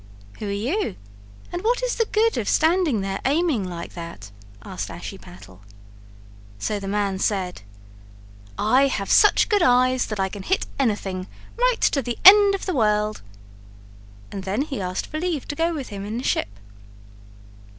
"Who are you, and what is the good of standing there aiming like that?" asked Ashiepattle. So the man said: "I have such good eyes that I can hit anything, right to the end of the world." And then he asked for leave to go with him in the ship.